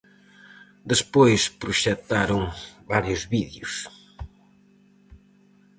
Despois proxectaron varios vídeos.